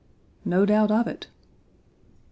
" No doubt of it.